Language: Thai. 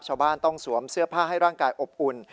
ชาวบ้านต้องสวมเสื้อผ้าให้ร่างกายอบอุ่น